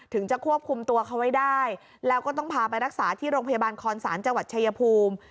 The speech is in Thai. จะควบคุมตัวเขาไว้ได้แล้วก็ต้องพาไปรักษาที่โรงพยาบาลคอนศาลจังหวัดชายภูมิ